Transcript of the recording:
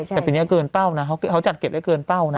แต่ปีนี้เกินเป้านะเขาจัดเก็บได้เกินเป้านะ